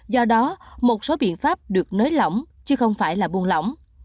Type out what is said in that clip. do đó một số biện pháp được nới lỏng chứ không phải là buôn lỏng